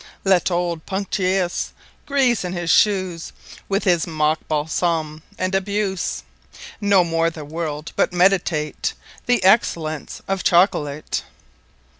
Let old Punctaeus Greaze his shooes With his Mock Balsome: and Abuse No more the World: But Meditate The Excellence of Chocolate.